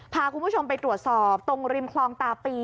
พาคุณผู้ชมไปตรวจสอบตรงริมคลองตาปี